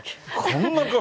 こんな顔。